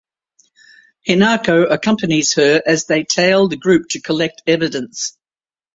Hinako accompanies her as they tail the group to collect evidence.